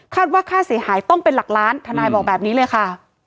ว่าค่าเสียหายต้องเป็นหลักล้านทนายบอกแบบนี้เลยค่ะ